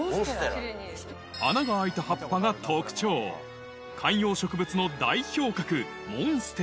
穴が開いた葉っぱが特徴観葉植物の代表格